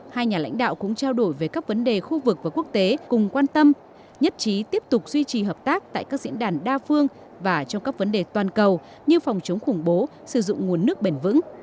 hai nhà lãnh đạo cũng trao đổi về các vấn đề khu vực và quốc tế cùng quan tâm nhất trí tiếp tục duy trì hợp tác tại các diễn đàn đa phương và trong các vấn đề toàn cầu như phòng chống khủng bố sử dụng nguồn nước bền vững